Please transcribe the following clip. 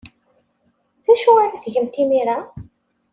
D acu ara tgemt imir-a?